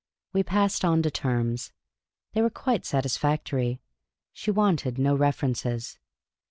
We passed on to terms. They were quite satisfactory. She wanted no references.